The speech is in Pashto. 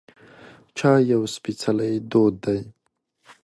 چای یو سپیڅلی دود دی.